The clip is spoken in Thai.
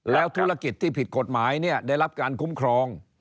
แล้วธุรกิจที่ผิดกฎหมายได้รับการคุ้มครอง